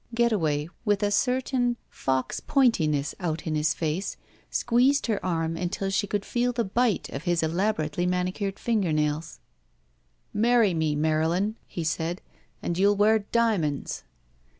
Getaway, with a certain fox pointiness out in his face, squeezed her arm until she could feel the bite of his elaborately niaiucured finger nails. it THE VERTICAL, CITY "Marry me, Marylin," he said, "aad you'll wear diamonds."